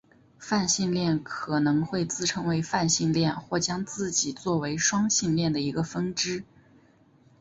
泛性恋可能会自称为泛性恋或将自己做为双性恋的一个分支。